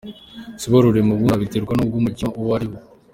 Siborurema: Ubundi aha biterwa n’ubwoko bw’umukino uwo ariwo.